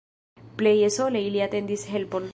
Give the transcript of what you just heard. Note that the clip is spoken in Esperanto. Pleje sole ili atendis helpon.